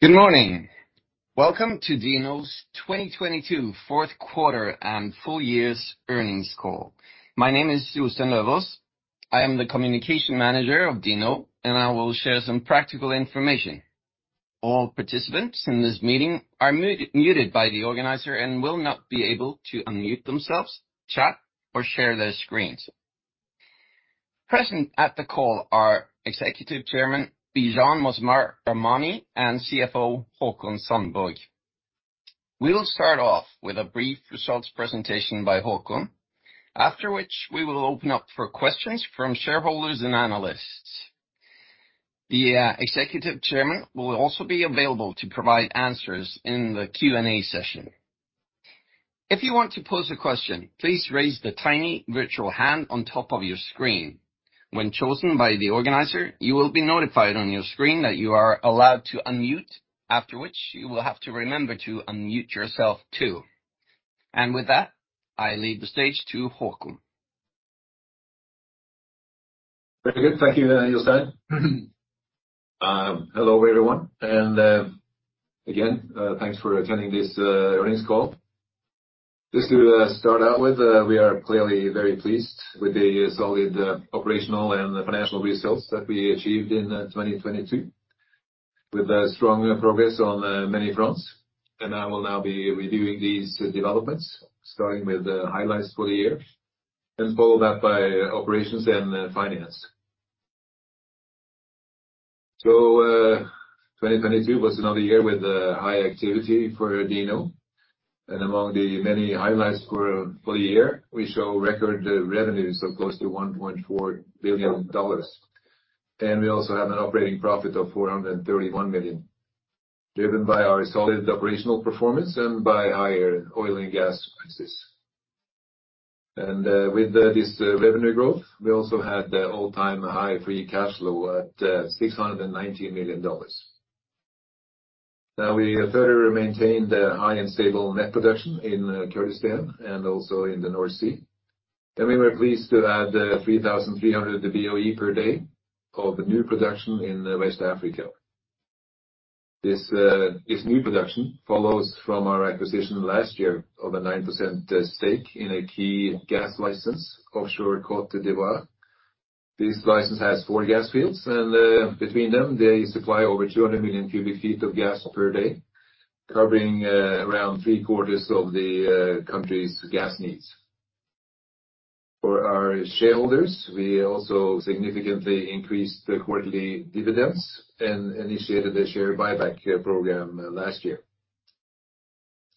Good morning. Welcome to DNO's 2022 Fourth Quarter and Full Year's Earnings call. My name is Jostein Løvås. I am the Communication Manager of DNO, and I will share some practical information. All participants in this meeting are muted by the organizer and will not be able to unmute themselves, chat or share their screens. Present at the call are Executive Chairman, Bijan Mossavar-Rahmani and CFO, Haakon Sandborg. We'll start off with a brief results presentation by Haakon, after which we will open up for questions from shareholders and analysts. The Executive Chairman will also be available to provide answers in the Q&A session. If you want to pose a question, please raise the tiny virtual hand on top of your screen. When chosen by the organizer, you will be notified on your screen that you are allowed to unmute, after which you will have to remember to unmute yourself too. With that, I leave the stage to Haakon. Very good. Thank you, Jostein. Hello, everyone. Again, thanks for attending this earnings call. Just to start out with, we are clearly very pleased with the solid operational and financial results that we achieved in 2022, with strong progress on many fronts. I will now be reviewing these developments, starting with the highlights for the year, and follow that by operations and finance. 2022 was another year with high activity for DNO. Among the many highlights for a full year, we show record revenues of close to $1.4 billion. We also have an operating profit of $431 million, driven by our solid operational performance and by higher oil and gas prices. With this revenue growth, we also had the all-time high free cash flow at $690 million. We further maintained a high and stable net production in Kurdistan and also in the North Sea. We were pleased to add 3,300 BOE per day of new production in West Africa. This new production follows from our acquisition last year of a 9% stake in a key gas license offshore Côte d'Ivoire. This license has four gas fields, and between them, they supply over 200 million cubic feet of gas per day, covering around three-quarters of the country's gas needs. We also significantly increased the quarterly dividends and initiated a share buyback program last year.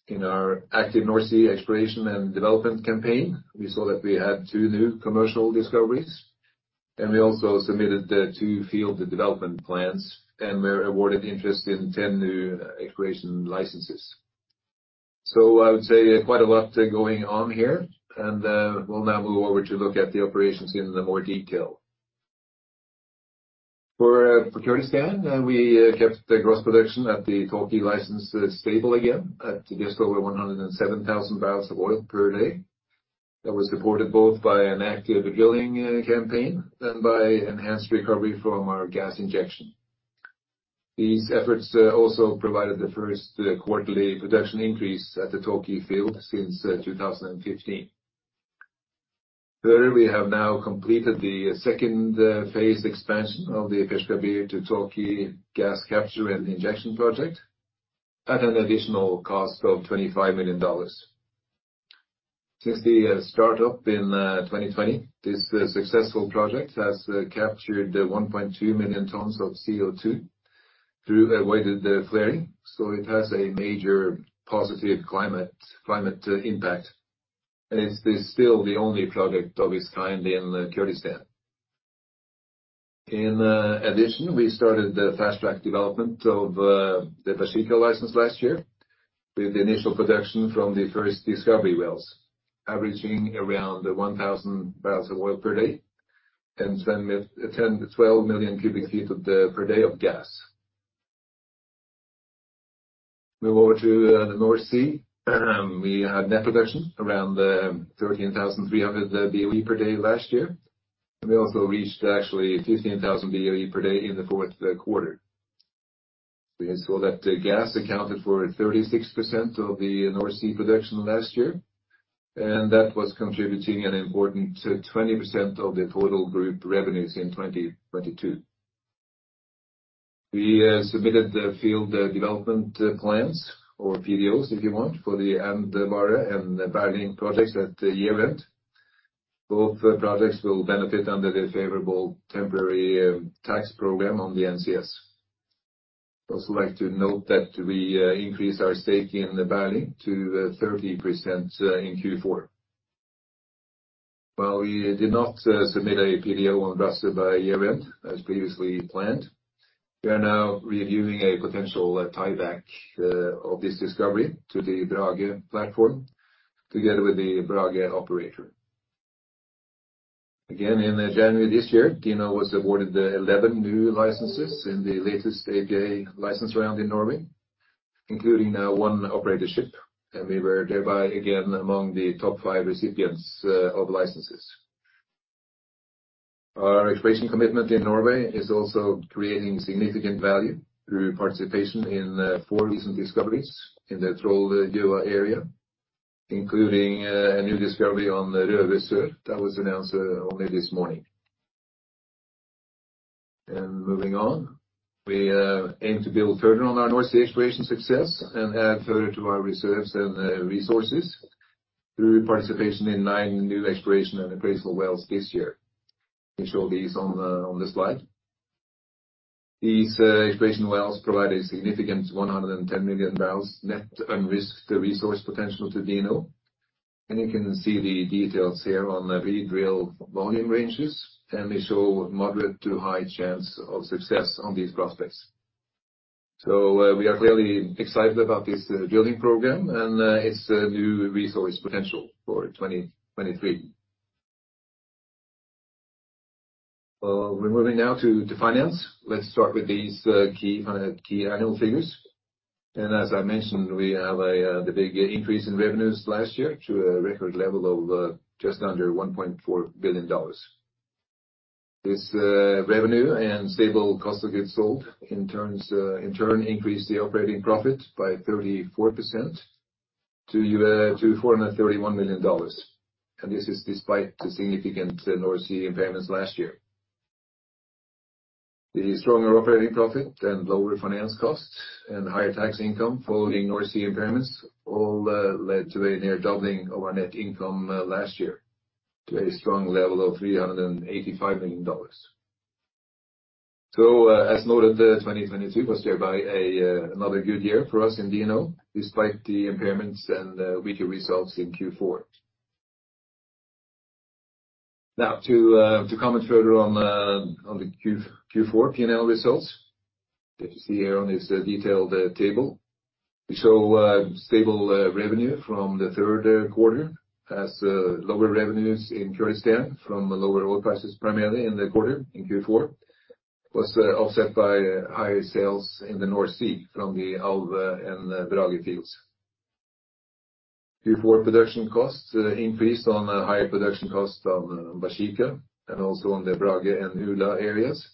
In our active North Sea exploration and development campaign, we saw that we had two new commercial discoveries, and we also submitted the two field development plans and were awarded interest in 10 new exploration licenses. I would say quite a lot going on here, and we'll now move over to look at the operations in more detail. For Kurdistan, we kept the gross production at the Tawke License stable again at just over 107,000 barrels of oil per day. That was supported both by an active drilling campaign and by enhanced recovery from our gas injection. These efforts also provided the first quarterly production increase at the Tawke field since 2015. Further, we have now completed the second phase expansion of the Baeshiqa to Tawke gas capture and injection project at an additional cost of $25 million. Since the start-up in 2020, this successful project has captured 1.2 million tons of CO2 through avoided flaring. It has a major positive climate impact. It's still the only project of its kind in Kurdistan. In addition, we started the fast-track development of the Baeshiqa License last year with the initial production from the first discovery wells, averaging around 1,000 barrels of oil per day and 10 to 12 million cubic feet per day of gas. Move over to the North Sea, we had net production around 13,300 BOE per day last year. We also reached actually 15,000 BOE per day in the fourth quarter. We saw that gas accounted for 36% of the North Sea production last year. That was contributing an important 20% of the total group revenues in 2022. We submitted the field development plans or PDOs, if you want, for the Andvare and the Berling projects at the year-end. Both projects will benefit under the favorable temporary tax program on the NCS. I also like to note that we increased our stake in the Berling to 30% in Q4. While we did not submit a PDO on Brage by year-end as previously planned, we are now reviewing a potential tieback of this discovery to the Brage platform together with the Brage operator. In January this year, DNO was awarded 11 new licenses in the latest APA license round in Norway, including now one operatorship, and we were thereby again among the top five recipients of licenses. Our exploration commitment in Norway is also creating significant value through participation in four recent discoveries in the Troll-Gjøa area, including a new discovery on the Røver Sør that was announced only this morning. Moving on, we aim to build further on our North Sea exploration success and add further to our reserves and resources through participation in nine new exploration and appraisal wells this year. We show these on the slide. These exploration wells provide a significant 110 million barrels net unrisked resource potential to DNO. You can see the details here on the re-drill volume ranges, and they show moderate to high chance of success on these prospects. We are clearly excited about this drilling program and its new resource potential for 2023. We're moving now to finance. Let's start with these key annual figures. As I mentioned, we have a big increase in revenues last year to a record level of just under $1.4 billion. This revenue and stable cost of goods sold in turns, in turn increased the operating profit by 34% to $431 million. This is despite the significant North Sea impairments last year. The stronger operating profit and lower finance costs and higher tax income following North Sea impairments all led to a near doubling of our net income last year to a strong level of $385 million. As noted, 2022 was thereby another good year for us in DNO, despite the impairments and weaker results in Q4. To comment further on the Q4 P&L results that you see here on this detailed table. We show stable revenue from the third quarter as lower revenues in Kurdistan from lower oil prices primarily in the quarter in Q4 was offset by higher sales in the North Sea from the Alv and the Brage fields. Q4 production costs increased on a higher production cost of Baeshiqa and also on the Brage and Ula areas.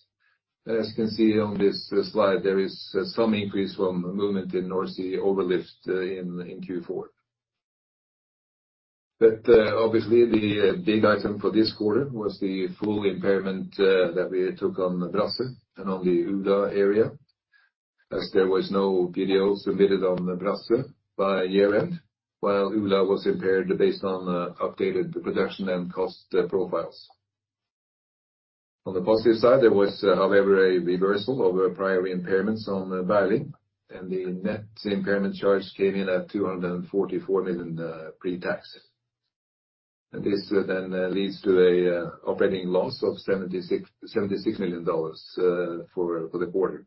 As you can see on this slide, there is some increase from movement in North Sea overlift in Q4. Obviously the big item for this quarter was the full impairment that we took on the Brage and on the Ula area, as there was no PDO submitted on the Brage by year-end, while Ula was impaired based on updated production and cost profiles. On the positive side, there was, however, a reversal of prior impairments on the Balder, the net impairment charge came in at $244 million pre-tax. This leads to a operating loss of $76 million for the quarter.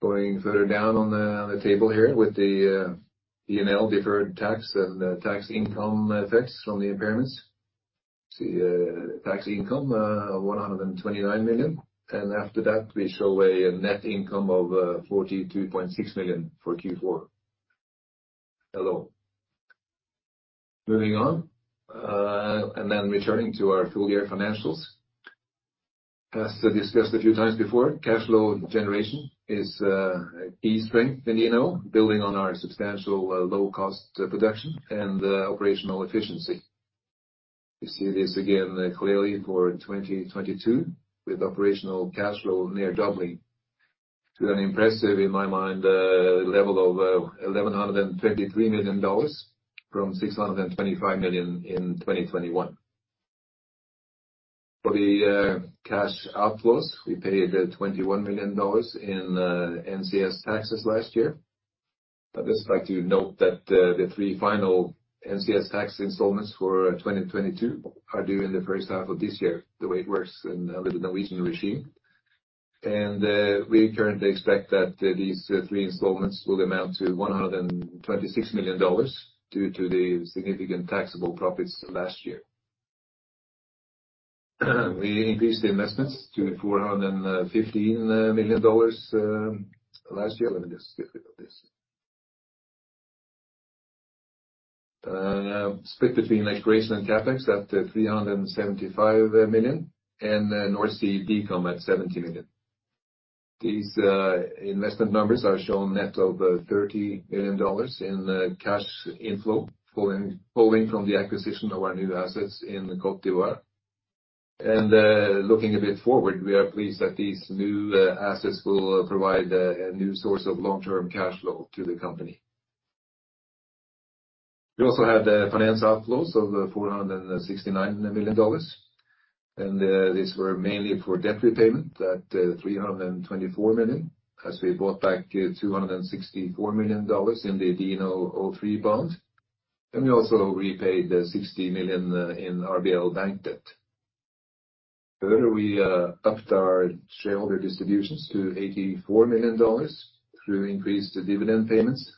Going further down on the table here with the P&L deferred tax and tax income effects from the impairments. The tax income, $129 million. After that, we show a net income of $42.6 million for Q4 alone. Moving on, and then returning to our full year financials. As discussed a few times before, cash flow generation is a key strength in DNO, building on our substantial low cost production and operational efficiency. You see this again clearly for 2022, with operational cash flow near doubling to an impressive, in my mind, level of $1,123 million from $625 million in 2021. For the cash outflows, we paid $21 million in NCS taxes last year. I'd just like to note that the three final NCS tax installments for 2022 are due in the first half of this year, the way it works under the Norwegian regime. We currently expect that these three installments will amount to $126 million due to the significant taxable profits last year. We increased investments to $415 million last year. Let me just skip this. Split between exploration and CapEx at $375 million, and North Sea Decom at $70 million. These investment numbers are shown net of $30 billion in cash inflow flowing from the acquisition of our new assets in the Côte d'Ivoire. Looking a bit forward, we are pleased that these new assets will provide a new source of long-term cash flow to the company. We also had the finance outflows of $469 million, these were mainly for debt repayment at $324 million as we bought back $264 million in the DNO03 bond. We also repaid $60 million in RBL bank debt. Further, we upped our shareholder distributions to $84 million through increased dividend payments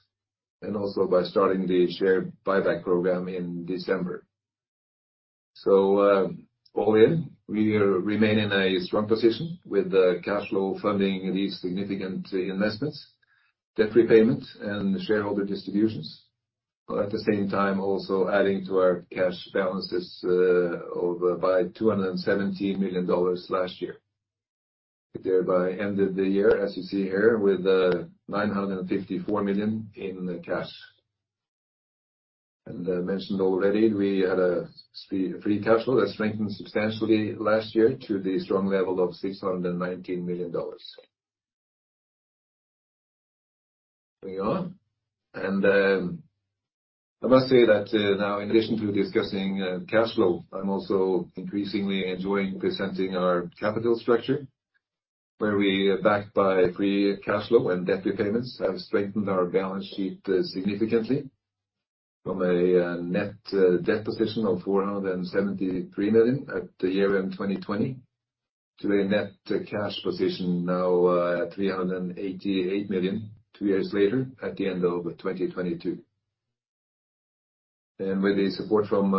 and also by starting the share buyback program in December. All in, we remain in a strong position with the cash flow funding these significant investments. Debt repayment and shareholder distributions. At the same time, also adding to our cash balances over by $217 million last year. We thereby ended the year, as you see here, with $954 million in cash. I mentioned already, we had a free cash flow that strengthened substantially last year to the strong level of $619 million. Moving on. I must say that now in addition to discussing cash flow, I'm also increasingly enjoying presenting our capital structure, where we are backed by free cash flow and debt repayments have strengthened our balance sheet significantly from a net debt position of $473 million at the year-end 2020 to a net cash position now at $388 million two years later at the end of 2022. With the support from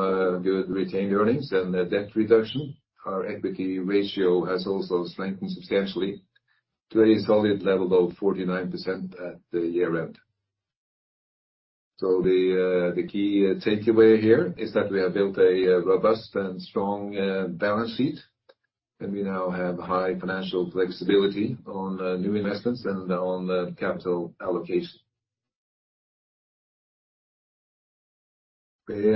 good retained earnings and debt reduction, our equity ratio has also strengthened substantially to a solid level of 49% at the year-end. The key takeaway here is that we have built a robust and strong balance sheet, and we now have high financial flexibility on new investments and on capital allocation. We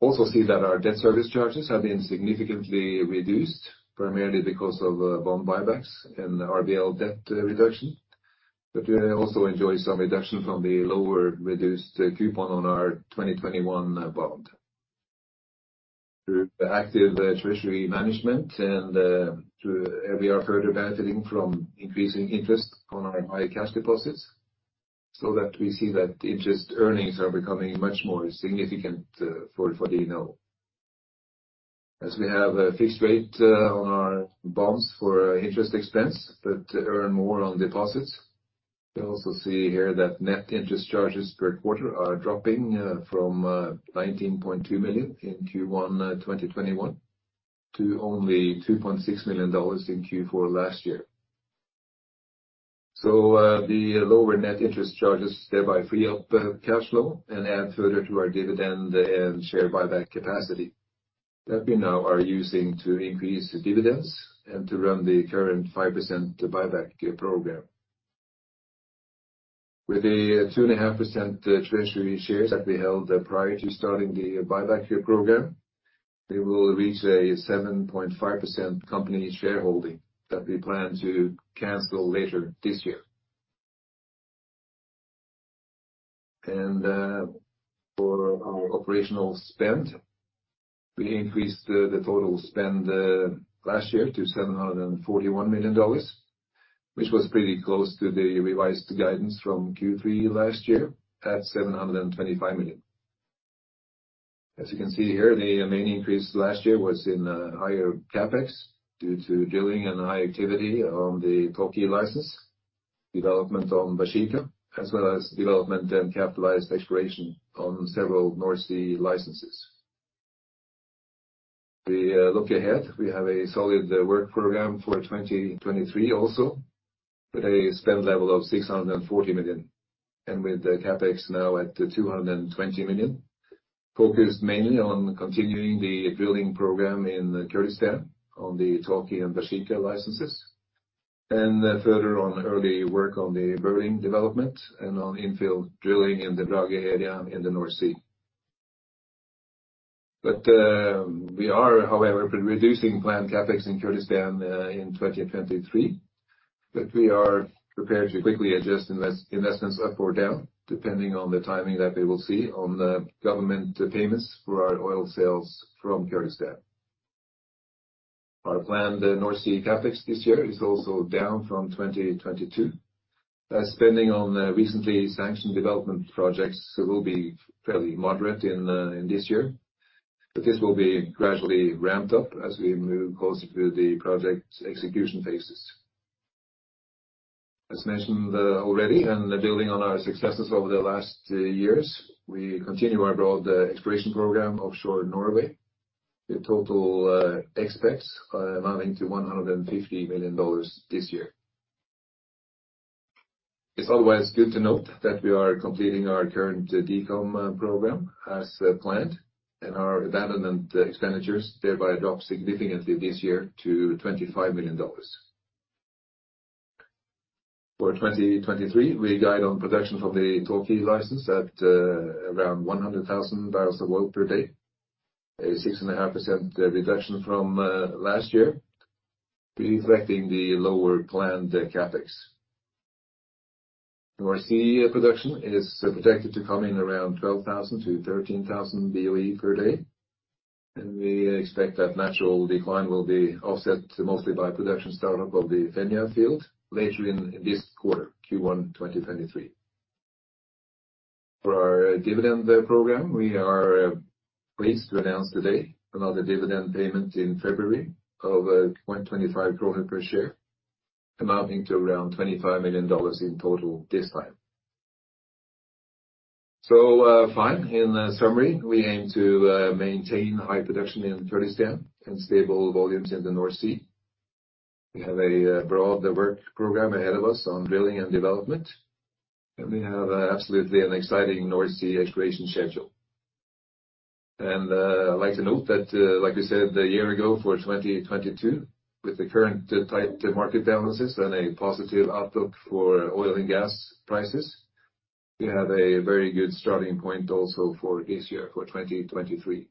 also see that our debt service charges have been significantly reduced, primarily because of bond buybacks and RBL debt reduction. We also enjoy some reduction from the lower reduced coupon on our 2021 bond. Through active treasury management and through we are further benefiting from increasing interest on our high cash deposits so that we see that interest earnings are becoming much more significant for DNO. We have a fixed rate on our bonds for interest expense, but earn more on deposits. We also see here that net interest charges per quarter are dropping, from $19.2 million in Q1 2021 to only $2.6 million in Q4 last year. The lower net interest charges thereby free up cash flow and add further to our dividend and share buyback capacity that we now are using to increase dividends and to run the current 5% buyback program. With the 2.5% treasury shares that we held prior to starting the buyback program, we will reach a 7.5% company shareholding that we plan to cancel later this year. For our operational spend, we increased the total spend, last year to $741 million, which was pretty close to the revised guidance from Q3 last year at $725 million. As you can see here, the main increase last year was in higher CapEx due to drilling and high activity on the Toki license, development on Baeshiqa, as well as development and capitalized exploration on several North Sea licenses. We look ahead, we have a solid work program for 2023 also, with a spend level of $640 million, and with the CapEx now at $220 million, focused mainly on continuing the drilling program in Kurdistan on the Toki and Baeshiqa Licenses, and further on early work on the Berling development and on infill drilling in the Brage area in the North Sea. We are, however, reducing planned CapEx in Kurdistan in 2023, but we are prepared to quickly adjust investments up or down, depending on the timing that we will see on the government payments for our oil sales from Kurdistan. Our planned North Sea CapEx this year is also down from 2022. As spending on recently sanctioned development projects will be fairly moderate in this year. This will be gradually ramped up as we move closer to the project's execution phases. As mentioned already, and building on our successes over the last years, we continue our broad exploration program offshore Norway with total expense amounting to $150 million this year. It's always good to note that we are completing our current decom program as planned, and our abandonment expenditures thereby drop significantly this year to $25 million. For 2023, we guide on production from the Toki license at around 100,000 barrels of oil per day, a 6.5% reduction from last year, reflecting the lower planned CapEx. North Sea production is projected to come in around 12,000-13,000 BOE per day, and we expect that natural decline will be offset mostly by production start-up of the Fenja field later in this quarter, Q1 2023. For our dividend program, we are pleased to announce today another dividend payment in February of 0.25 kroner per share, amounting to around $25 million in total this time. Fine. In summary, we aim to maintain high production in Kurdistan and stable volumes in the North Sea. We have a broad work program ahead of us on drilling and development, and we have absolutely an exciting North Sea exploration schedule. I'd like to note that, like I said a year ago for 2022, with the current tight market balances and a positive outlook for oil and gas prices, we have a very good starting point also for this year for 2023.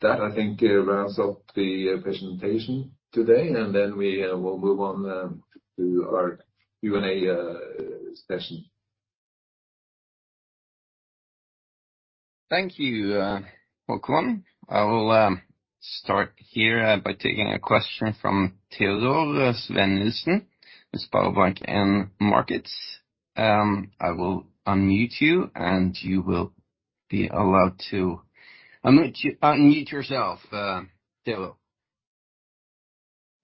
That, I think, rounds up the presentation today. We will move on to our Q&A session. Thank you, Haakon. I will start here by taking a question from Teodor Sveen-Nilsen with SpareBank 1 Markets. I will unmute you, and you will be allowed to unmute yourself, Teodor.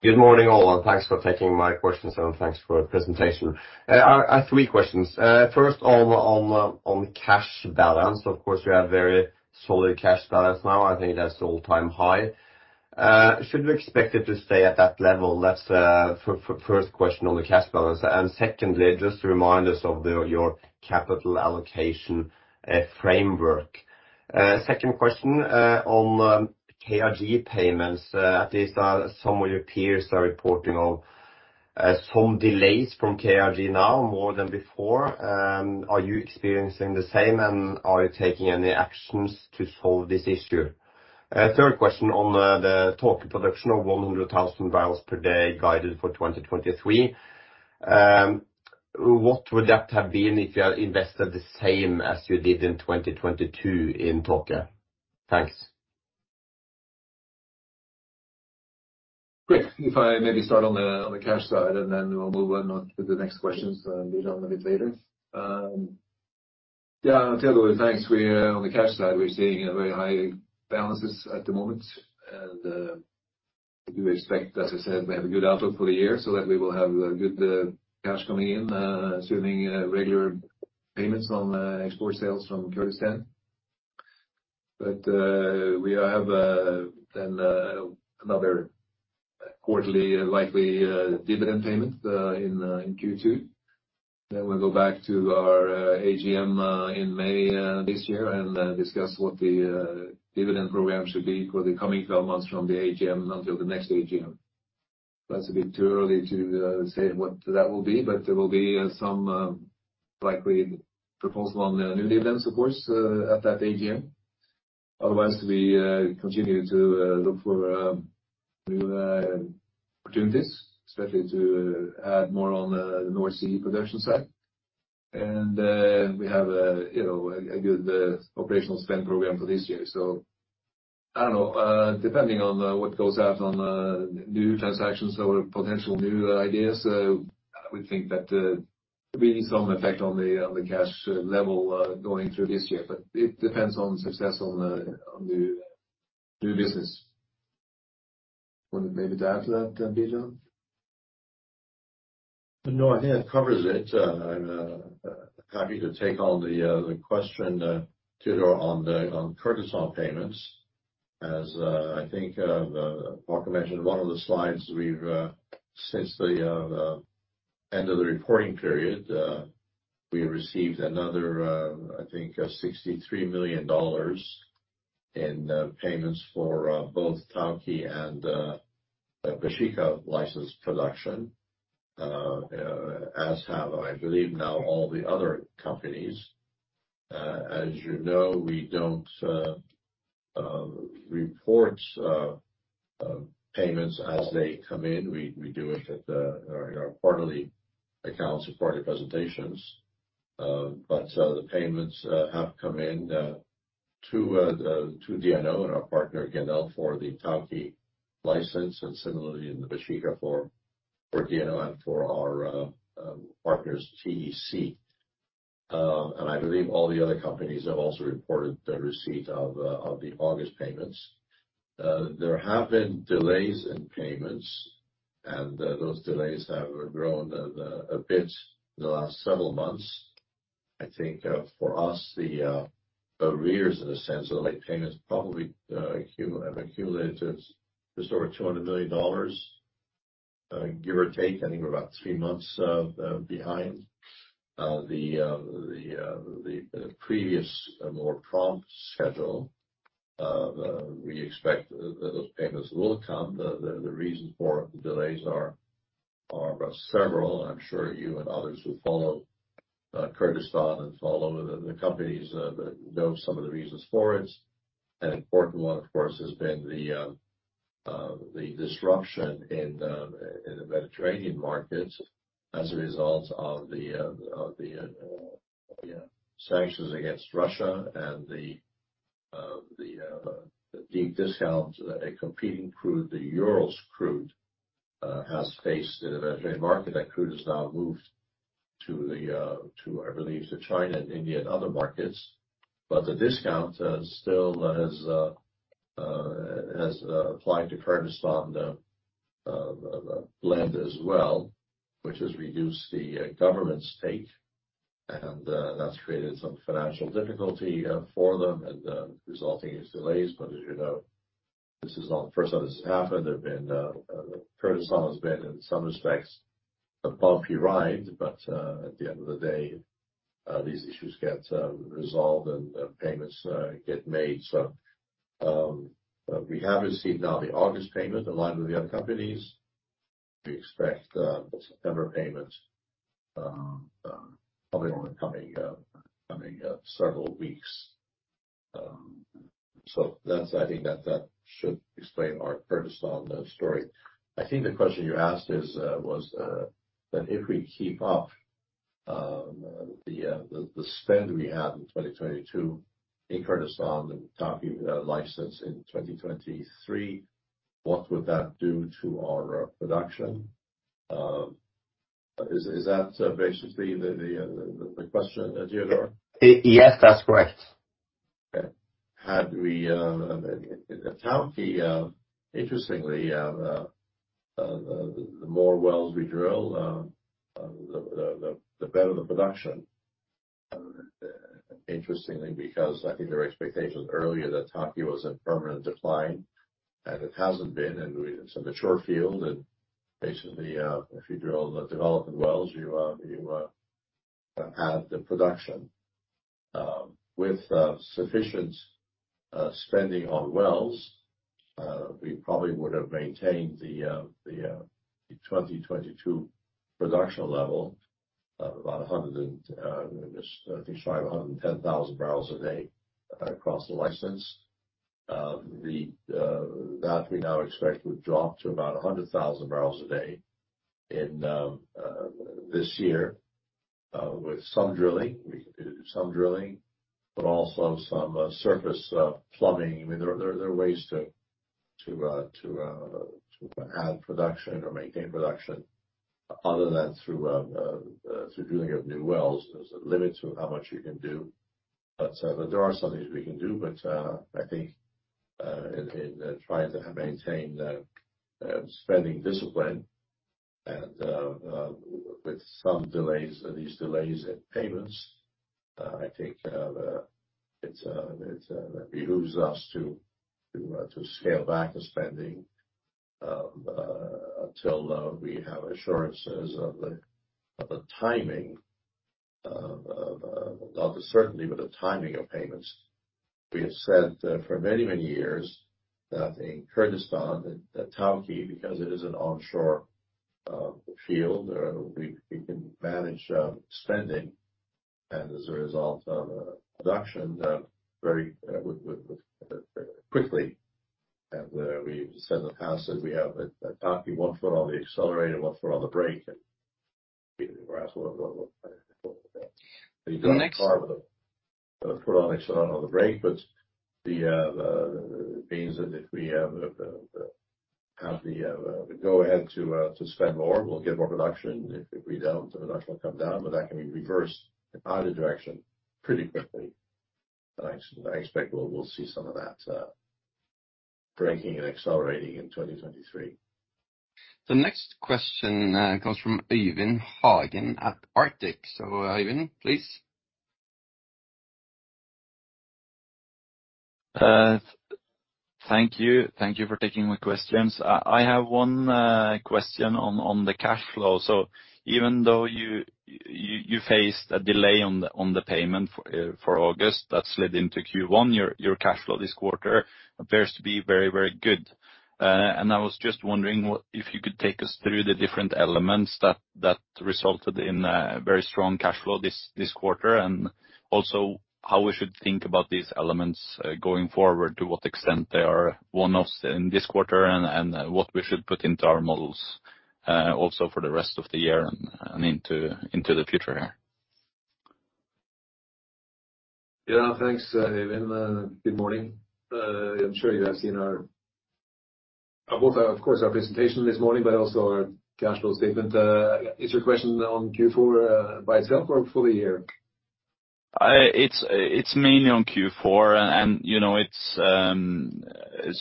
Good morning, all, and thanks for taking my questions, and thanks for the presentation. I have three questions. First on cash balance. Of course, you have very solid cash balance now. I think that's all-time high. Should we expect it to stay at that level? That's first question on the cash balance. Secondly, just remind us of the, your capital allocation framework. Second question on KRG payments. At least, some of your peers are reporting of some delays from KRG now, more than before. Are you experiencing the same, and are you taking any actions to solve this issue? Third question on the Tawke production of 100,000 barrels per day guided for 2023. What would that have been if you had invested the same as you did in 2022 in Tawke? Thanks. Great. If I maybe start on the, on the cash side, and then we'll move on to the next questions a little bit later. Yeah, Teodor, thanks. We're on the cash side. We're seeing a very high balances at the moment. We expect, as I said, we have a good outlook for the year so that we will have good cash coming in, assuming regular payments on export sales from Kurdistan. We have then another quarterly likely dividend payment in Q2. We'll go back to our AGM in May this year and discuss what the dividend program should be for the coming 12 months from the AGM until the next AGM. That's a bit too early to say what that will be, but there will be some, likely proposal on the new dividends, of course, at that AGM. Otherwise, we continue to look for new opportunities, especially to add more on the North Sea production side. We have a, you know, a good, operational spend program for this year. I don't know, depending on what goes out on new transactions or potential new ideas, I would think that, be some effect on the, on the cash level, going through this year, but it depends on success on the, on the new business. Want maybe to add to that, Bijan? I think that covers it. I'm happy to take on the question, Teodor, on the Kurdistan payments. I think Haakon mentioned one of the slides we've since the end of the reporting period, we received another, I think $63 million in payments for both Tawke and Baeshiqa License production. As have, I believe now all the other companies. You know, we don't report payments as they come in. We do it at our quarterly accounts or quarterly presentations. The payments have come in to the DNO and our partner, Genel, for the Tawke License and similarly in the Baeshiqa for DNO and for our partners, TEC. I believe all the other companies have also reported the receipt of the August payments. There have been delays in payments. Those delays have grown a bit in the last several months. I think for us, the arrears in a sense of late payments probably have accumulated just over $200 million, give or take. I think we're about three months behind the previous more prompt schedule. We expect those payments will come. The reason for the delays are several. I'm sure you and others who follow Kurdistan and follow the companies know some of the reasons for it. An important one, of course, has been the disruption in the Mediterranean markets as a result of the, of the, sanctions against Russia and the, discount a competing crude, the Urals crude, has faced in the Mediterranean market. That crude has now moved to the, to I believe to China and India and other markets. The discount, still has applied to Kurdistan. Of, of land as well, which has reduced the government stake, and, that's created some financial difficulty, for them, and, resulting in delays. As you know, this is not the first time this has happened. They've been... Kurdistan has been, in some respects, a bumpy ride. At the end of the day, these issues get, resolved and payments, get made. We have received now the August payment in line with the other companies. We expect the September payment, probably in the coming several weeks. That's I think that should explain our Kurdistan story. I think the question you asked is, was, that if we keep up, the spend we had in 2022 in Kurdistan and Tawke License in 2023, what would that do to our production? Is that basically the question that you had? Yes, that's correct. l field, has shown surprising resilience. The more wells we drill, the better the production. This is contrary to earlier expectations of permanent decline. With sufficient capital expenditure on wells, we could have maintained the 2022 production level of about 110,000 barrels a day across the license. However, we now expect production to drop to about 100,000 barrels a day this year. This decline could be mitigated with some drilling and surface plumbing work I mean, there are ways to add production or maintain production other than through drilling of new wells. There's a limit to how much you can do. There are some things we can do, but I think in trying to maintain spending discipline and with some delays, these delays in payments, I think it's behooves us to scale back the spending until we have assurances of the timing of, not the certainty, but the timing of payments. We have said for many, many years that in Kurdistan, at Tawke, because it is an onshore field, we can manage spending, and as a result, production, very quickly. We've said in the past that we have at Tawke one foot on the accelerator, one foot on the brake. We were asked what. Next. Put on the brake, the means that if we have the go ahead to spend more, we'll get more production. If we don't, the production will come down, but that can be reversed in either direction pretty quickly. I expect we'll see some of that breaking and accelerating in 2023. The next question, comes from Øyvind Hagen at Arctic Securities. Øyvind, please. Thank you. Thank you for taking my questions. I have one question on the cash flow. Even though you faced a delay on the payment for August, that slid into Q1, your cash flow this quarter appears to be very good. I was just wondering if you could take us through the different elements that resulted in a very strong cash flow this quarter, and also how we should think about these elements going forward, to what extent they are one-offs in this quarter and what we should put into our models also for the rest of the year and into the future here? Yeah. Thanks, Øyvind. Good morning. I'm sure you have seen our... Both our, of course, our presentation this morning, but also our cash flow statement. Is your question on Q4, by itself or for the year? It's mainly on Q4, and, you know, it's,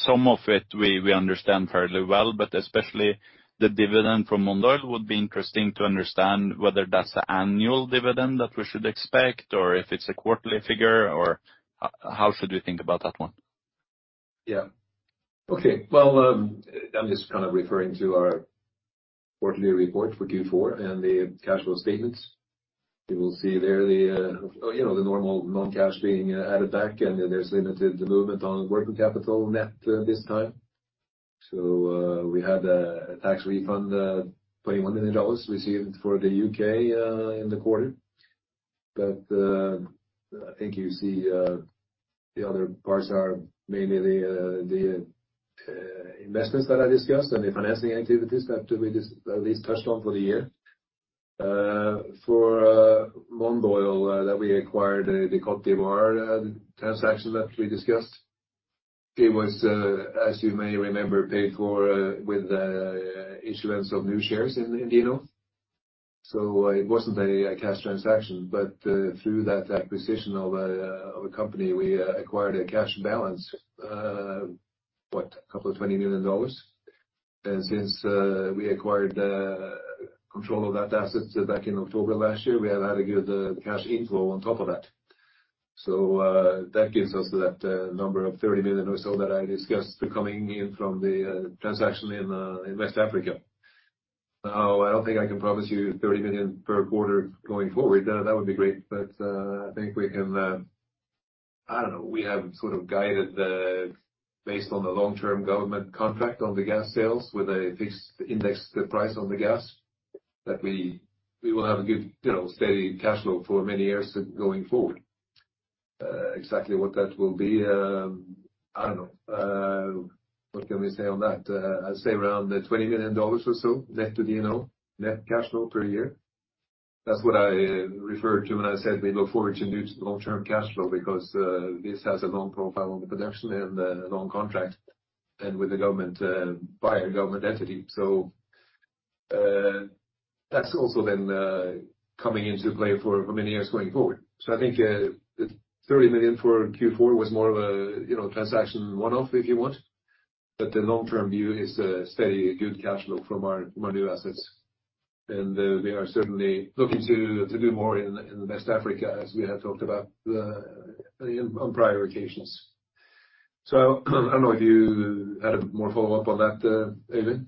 some of it we understand fairly well, but especially the dividend from Mondoil would be interesting to understand whether that's an annual dividend that we should expect or if it's a quarterly figure or how should we think about that one? Yeah. Okay. Well, I'm just kind of referring to our quarterly report for Q4 and the cash flow statements. You will see there the, you know, the normal non-cash being added back and there's limited movement on working capital net this time. We had a tax refund, $21 million received for the U.K. in the quarter. I think you see the other parts are mainly the investments that I discussed and the financing activities that we at least touched on for the year. For Mondoil that we acquired, the Cote d'Ivoire transaction that we discussed, it was as you may remember, paid for with issuance of new shares in DNO. It wasn't a cash transaction, but through that acquisition of a company, we acquired a cash balance, what? A couple of $20 million. Since we acquired control of that asset back in October of last year, we have had a good cash inflow on top of that. That gives us that number of $30 million or so that I discussed coming in from the transaction in West Africa. I don't think I can promise you $30 million per quarter going forward. That would be great, but I think we can. I don't know, we have sort of guided based on the long-term government contract on the gas sales with a fixed indexed price on the gas, that we will have a good, you know, steady cash flow for many years going forward. Exactly what that will be, I don't know. What can we say on that? I'd say around $20 million or so net to DNO, net cash flow per year. That's what I referred to when I said we look forward to a new long-term cash flow because this has a long profile on the production and a long contract, and with the government buyer government entity. That's also then coming into play for many years going forward. I think, the $30 million for Q4 was more of a, you know, transaction one-off, if you want. The long-term view is a steady, good cash flow from our, from our new assets. We are certainly looking to do more in West Africa as we have talked about on prior occasions. I don't know if you had more follow-up on that, Eivind.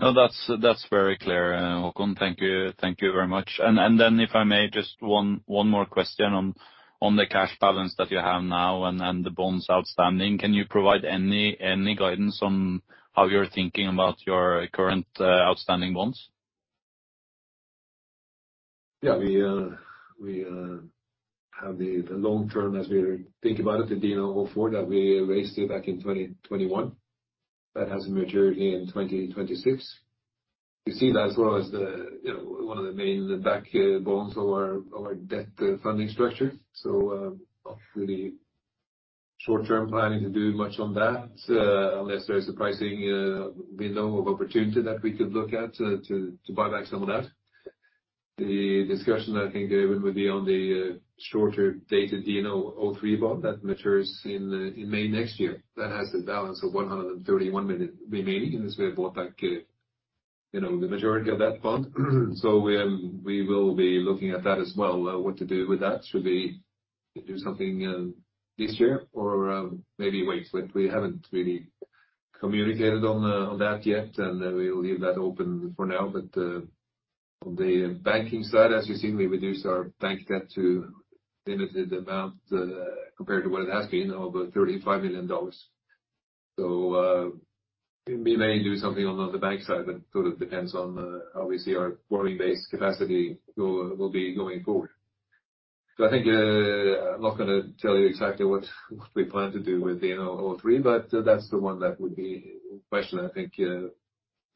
No, that's very clear, Haakon. Thank you very much. If I may, just one more question on the cash balance that you have now and the bonds outstanding. Can you provide any guidance on how you're thinking about your current outstanding bonds? Yeah. We have the long-term as we think about it, the DNO04 that we raised it back in 2021. That hasn't matured in 2026. You see that as well as the, you know, one of the main back bonds of our, of our debt funding structure. Not really short term planning to do much on that unless there's a pricing window of opportunity that we could look at to buy back some of that. The discussion, I think, Øyvind, would be on the shorter dated DNO03 bond that matures in May next year. That has the balance of $131 million remaining, as we have bought back, you know, the majority of that bond. We will be looking at that as well, what to do with that. Should we do something this year or maybe wait. We haven't really communicated on that yet, and we will leave that open for now. On the banking side, as you've seen, we reduced our bank debt to limited amount, compared to what it has been, of $35 million. We may do something on the bank side, but sort of depends on how we see our borrowing base capacity will be going forward. I think, I'm not gonna tell you exactly what we plan to do with DNO03, but that's the one that would be question, I think, to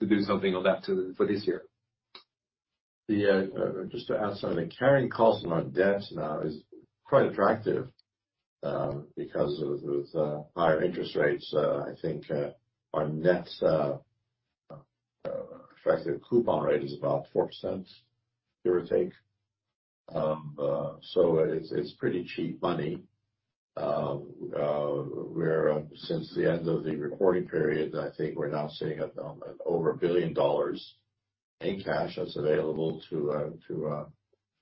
do something on that for this year. Yeah. Just to add something. Carrying costs on our debt now is quite attractive, because of higher interest rates. I think our net effective coupon rate is about 4%, give or take. It's pretty cheap money. We're since the end of the reporting period, I think we're now sitting at over $1 billion in cash that's available to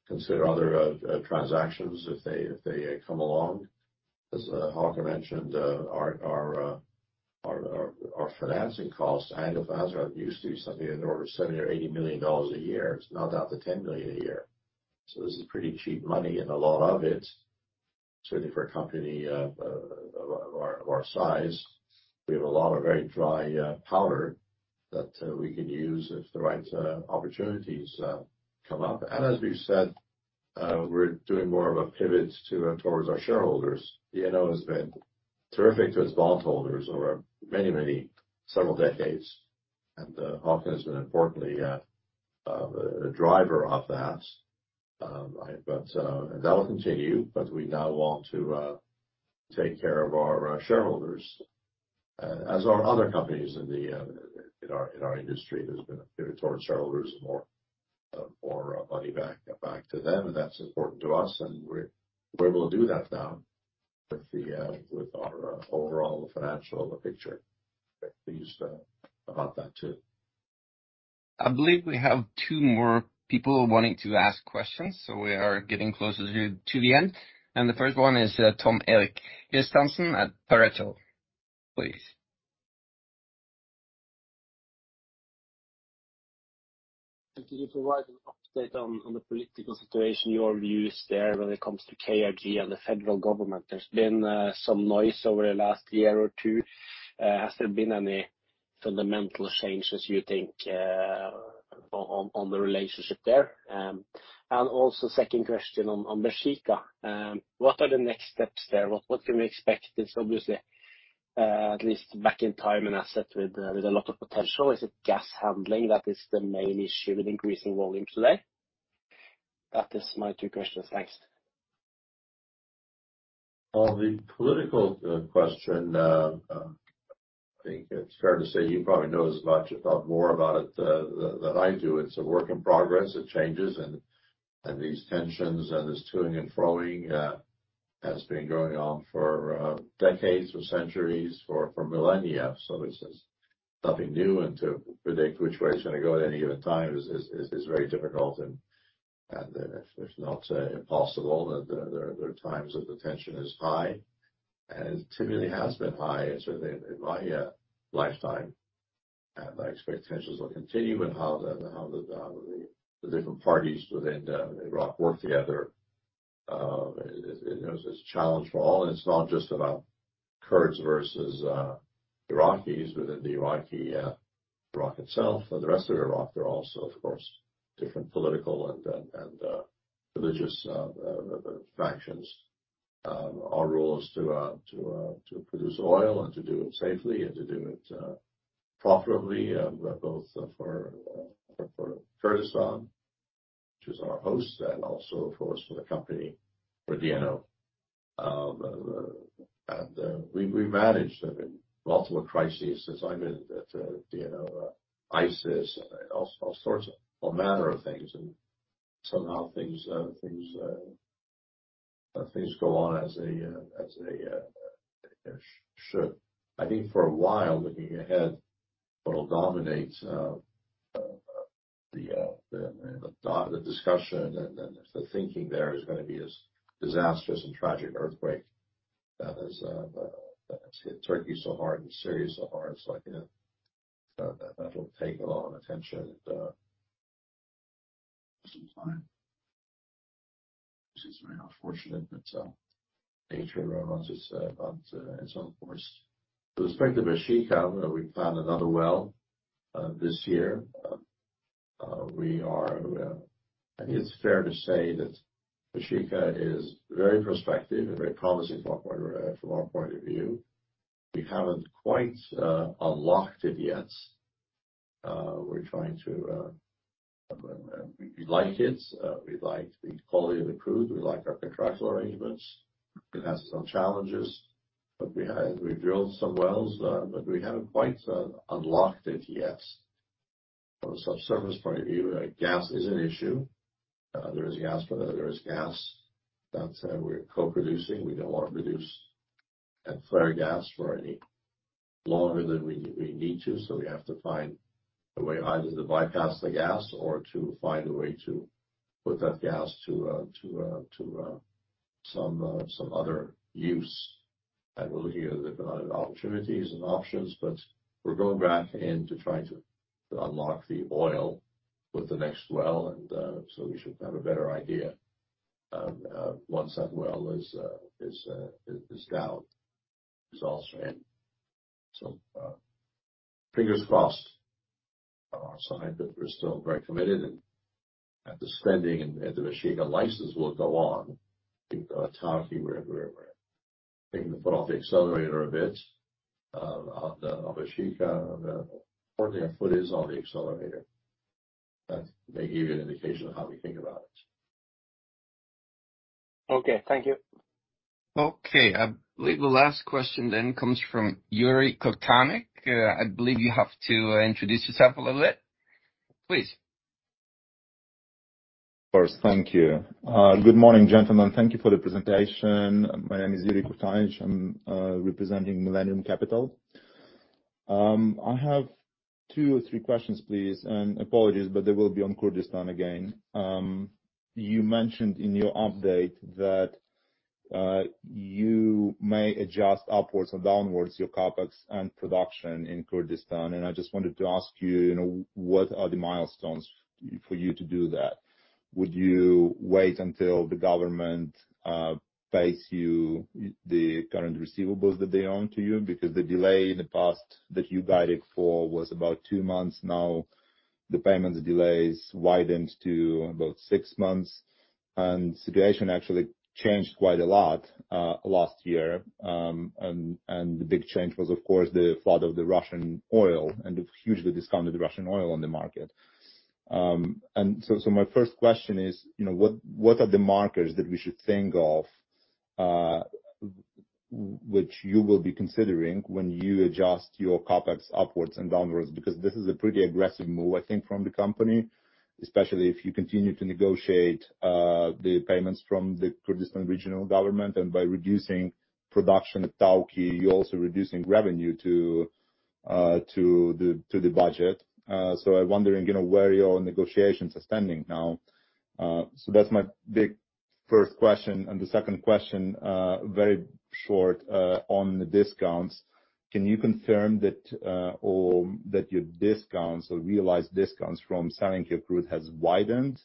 consider other transactions if they come along. As Haakon mentioned, our financing costs and the used to be something in the order of $70 million-$80 million a year. It's now down to $10 million a year. This is pretty cheap money and a lot of it, certainly for a company, of our, of our size. We have a lot of very dry powder that we can use if the right opportunities come up. As we've said, we're doing more of a pivot towards our shareholders. DNO has been terrific to its bondholders over many several decades. Haakon has been importantly, a driver of that. That will continue, but we now want to take care of our shareholders, as are other companies in the, in our industry. There's been a pivot towards shareholders and more, more money back to them, and that's important to us. We're able to do that now with the, with our overall financial picture. Very pleased about that too. I believe we have two more people wanting to ask questions, so we are getting closer to the end. The first one is Tom Erik Kristiansen at Pareto. Please. Could you provide an update on the political situation, your views there when it comes to KRG and the federal government? There's been some noise over the last year or two. Has there been any fundamental changes you think on the relationship there? And also second question on Baeshiqa. What are the next steps there? What can we expect? It's obviously, at least back in time, an asset with a lot of potential. Is it gas handling that is the main issue with increasing volumes today? That is my two questions. Thanks. On the political question, I think it's fair to say he probably knows as much, if not more about it, than I do. It's a work in progress. It changes and these tensions and this toing and froing has been going on for decades or centuries, for millennia. This is nothing new. To predict which way it's gonna go at any given time is very difficult and if not impossible. There are times that the tension is high, and it certainly has been high certainly in my lifetime. I expect tensions will continue and how the different parties within Iraq work together. It is a challenge for all, and it's not just about Kurds versus Iraqis within the Iraqi Iraq itself. The rest of Iraq, there are also, of course, different political and religious factions. Our role is to produce oil and to do it safely and to do it profitably, both for Kurdistan, which is our host, and also, of course, for the company, for DNO. We've managed, I mean, multiple crises since I've been at DNO. ISIS and all sorts of All manner of things, and somehow things go on as they should. I think for a while, looking ahead, what will dominate, the thought, the discussion and the thinking there is gonna be this disastrous and tragic earthquake that hit Turkey so hard and Syria so hard. Again, that'll take a lot of attention and some time. Which is very unfortunate, but nature runs its on its own course. With respect to Baeshiqa, we plan another well this year. I think it's fair to say that Baeshiqa is very prospective and very promising from our from our point of view. We haven't quite unlocked it yet. We're trying to. We like it. We like the quality of the crude. We like our contractual arrangements. It has some challenges, but we drilled some wells, but we haven't quite unlocked it yet. From a subsurface point of view, gas is an issue. There is gas, but there is gas that we're co-producing. We don't wanna produce and flare gas for any longer than we need to. We have to find a way either to bypass the gas or to find a way to put that gas to some other use. We're looking at different opportunities and options, but we're going back in to try to unlock the oil with the next well. We should have a better idea once that well is drilled. Results are in. Fingers crossed on our side, but we're still very committed. The spending and the Baeshiqa License will go on. In Tawke, we're taking the foot off the accelerator a bit. On Baeshiqa, importantly, our foot is on the accelerator. That may give you an indication of how we think about it. Okay. Thank you. Okay. I believe the last question then comes from Yuriy Kukhtanych. I believe you have to introduce yourself a little bit. Please. Of course. Thank you. Good morning, gentlemen. Thank you for the presentation. My name is Yuriy Kukhtanych. I'm representing Millennium Management. I have two or three questions, please. Apologies, but they will be on Kurdistan again. You mentioned in your update that you may adjust upwards or downwards your CapEx and production in Kurdistan. I just wanted to ask you know, what are the milestones for you to do that? Would you wait until the government pays you the current receivables that they own to you? Because the delay in the past that you guided for was about two months. Now, the payment delays widened to about 6 months. Situation actually changed quite a lot last year. The big change was, of course, the flood of the Russian oil and the hugely discounted Russian oil on the market. My first question is, you know, what are the markers that we should think of, which you will be considering when you adjust your CapEx upwards and downwards? Because this is a pretty aggressive move, I think, from the company, especially if you continue to negotiate the payments from the Kurdistan Regional Government. By reducing production at Tawke, you're also reducing revenue to the budget. I'm wondering, you know, where your negotiations are standing now. That's my big first question. The second question, very short, on the discounts. Can you confirm that, or that your discounts or realized discounts from selling your crude has widened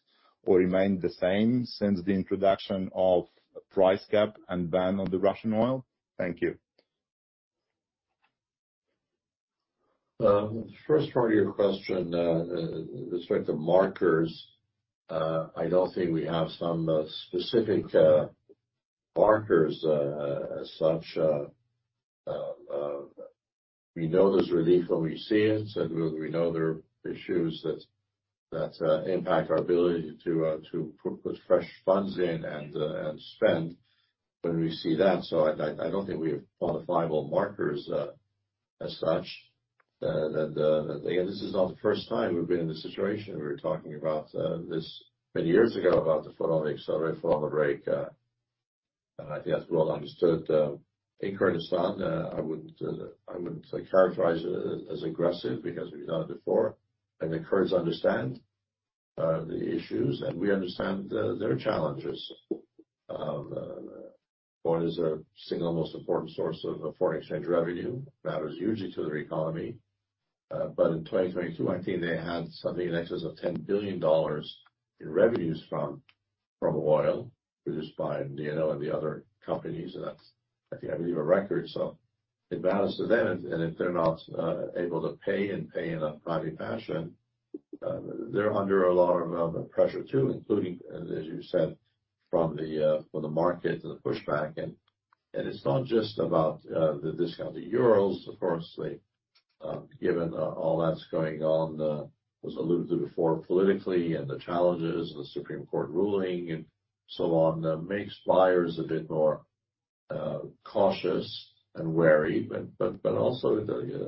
or remained the same since the introduction of price cap and ban on the Russian oil? Thank you. First part of your question, with respect to markers, I don't think we have some specific markers, as such. We know there's relief when we see it, and we know there are issues that impact our ability to put fresh funds in and spend when we see that. I don't think we have quantifiable markers, as such. That again, this is not the first time we've been in this situation. We were talking about this many years ago, about the foot on the accelerator, foot on the brake. I think that's well understood in Kurdistan. I wouldn't characterize it as aggressive because we've done it before, and the Kurds understand the issues, and we understand their challenges. Oil is their single most important source of foreign exchange revenue. Matters hugely to their economy. But in 2022, I think they had something in excess of $10 billion in revenues from oil produced by DNO and the other companies. That's, I think, I believe, a record. It matters to them, and if they're not able to pay and pay in a timely fashion, they're under a lot of pressure too, including, as you said, from the from the market and the pushback. It's not just about the discounted Urals. Of course, the given all that's going on, was alluded to before politically, and the challenges, the Supreme Court ruling and so on, makes buyers a bit more cautious and wary. Also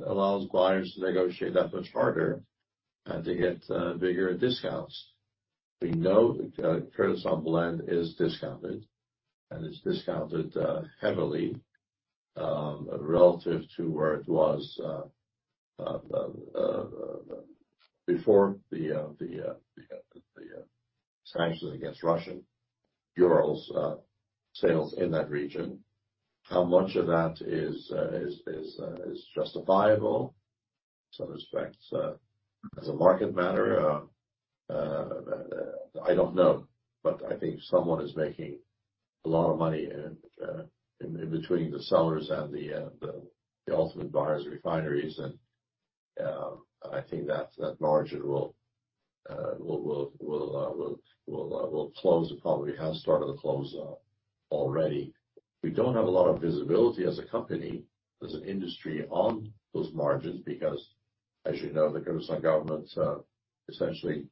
allows buyers to negotiate that much harder and to get bigger discounts. We know Kurdistan blend is discounted, and it's discounted heavily relative to where it was before the sanctions against Russian Urals sales in that region. How much of that is justifiable, in some respects, as a market matter, I don't know. I think someone is making a lot of money in between the sellers and the ultimate buyers, refineries. I think that margin will close. It probably has started to close already. We don't have a lot of visibility as a company, as an industry on those margins, because, as you know, the Kurdistan Government essentially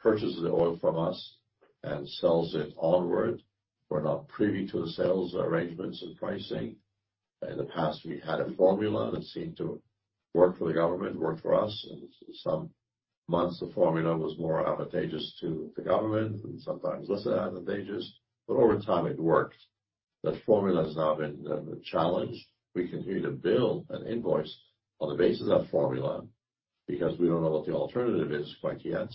purchases the oil from us and sells it onward. We're not privy to the sales arrangements and pricing. In the past, we had a formula that seemed to work for the Government, work for us, and some months, the formula was more advantageous to the Government and sometimes less advantageous, but over time it worked. That formula has now been challenged. We continue to bill and invoice on the basis of that formula because we don't know what the alternative is quite yet.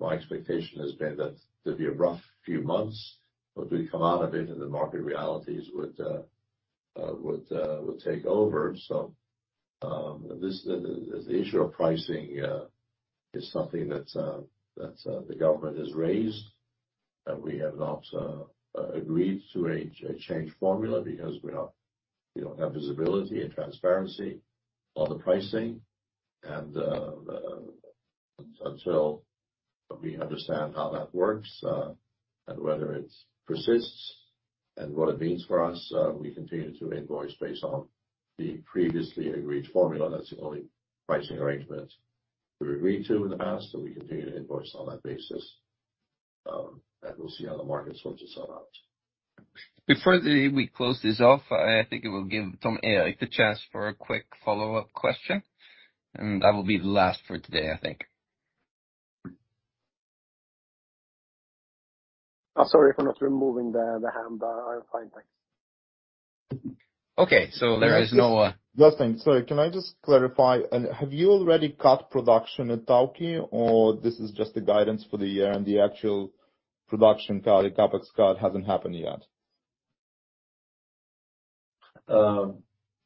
My expectation has been that there'd be a rough few months, but we come out of it and the market realities would take over. This, the issue of pricing is something that the government has raised. That we have not agreed to a change formula because we don't have visibility and transparency on the pricing. Until we understand how that works, and whether it persists and what it means for us, we continue to invoice based on the previously agreed formula. That's the only pricing arrangement we agreed to in the past, and we continue to invoice on that basis, and we'll see how the markets sorts itself out. Before we close this off, I think it will give Tom Erik the chance for a quick follow-up question, and that will be the last for today, I think. Oh, sorry for not removing the hand. I'm fine, thanks. Okay, there is no- Jostein, sorry, can I just clarify, have you already cut production at Tawke or this is just the guidance for the year and the actual production cut, the CapEx cut hasn't happened yet?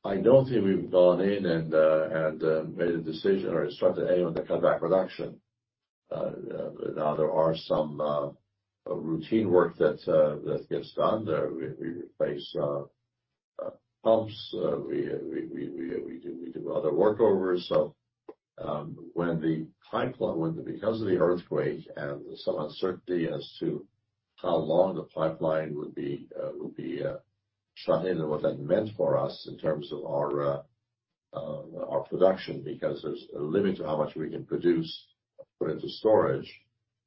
I don't think we've gone in and made a decision or instructed anyone to cut back production. There are some routine work that gets done. There, we replace pumps. We do other workovers. When, because of the earthquake and some uncertainty as to how long the pipeline would be shut in and what that meant for us in terms of our production, because there's a limit to how much we can produce, put into storage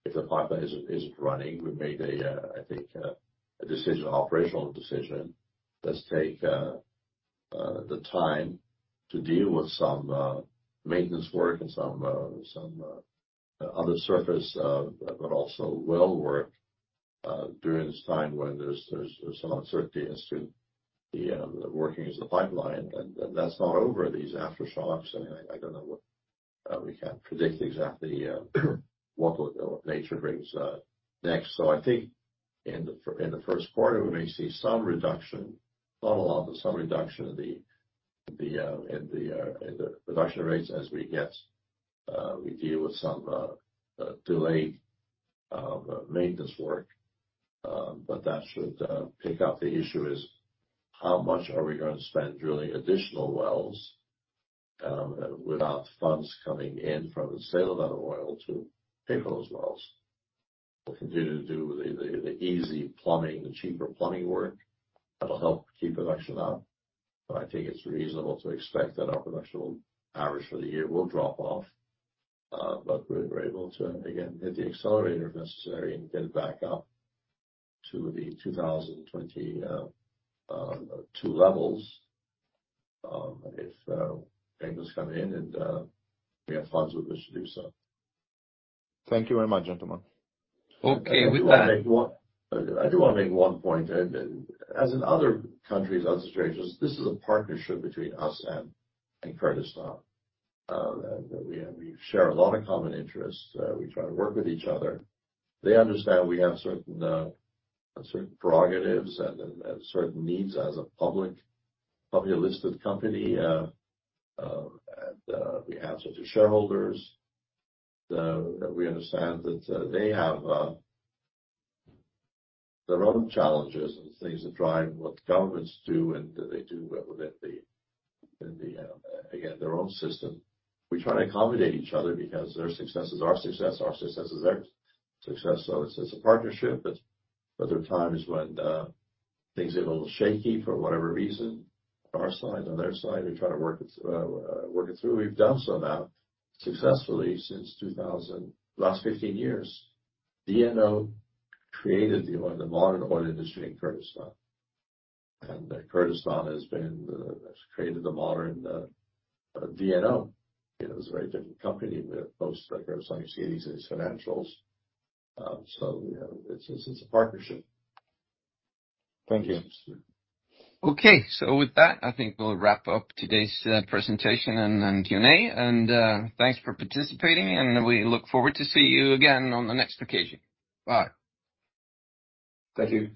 if the pipeline isn't running. We made a, I think, a decision, operational decision. Let's take the time to deal with some maintenance work and some other surface, but also well work, during this time when there's some uncertainty as to the working of the pipeline. That's not over. These aftershocks, I don't know what we can't predict exactly what nature brings next. I think in the first quarter, we may see some reduction, not a lot, but some reduction in the production rates as we get, we deal with some delayed maintenance work. That should pick up. The issue is how much are we gonna spend drilling additional wells, without funds coming in from the sale of that oil to pay for those wells? We'll continue to do the easy plumbing, the cheaper plumbing work. That'll help keep production up. I think it's reasonable to expect that our production average for the year will drop off. We're able to again, hit the accelerator if necessary, and get it back up to the 2022 levels, if things come in and we have funds with which to do so. Thank you very much, gentlemen. Okay, with that. I do wanna make one point. As in other countries, other jurisdictions, this is a partnership between us and Kurdistan. That we share a lot of common interests. We try to work with each other. They understand we have certain certain prerogatives and certain needs as a publicly listed company. We answer to shareholders. We understand that they have their own challenges and things that drive what governments do, and they do within the again, their own system. We try to accommodate each other because their success is our success, our success is their success. It's a partnership. There are times when things get a little shaky for whatever reason, on our side, on their side. We try to work it through. We've done so now successfully since last 15 years. DNO created the oil, the modern oil industry in Kurdistan. Kurdistan has created the modern DNO. You know, it was a very different company with post Kurdistan, you see these as financials. You know, it's a partnership. Thank you. Okay. With that, I think we'll wrap up today's presentation and Q&A. Thanks for participating, and we look forward to see you again on the next occasion. Bye. Thank you.